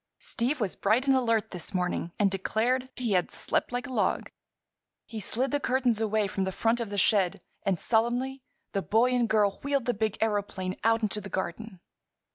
Steve was bright and alert this morning and declared he had "slept like a log." He slid the curtains away from the front of the shed and solemnly the boy and girl wheeled the big aëroplane out into the garden.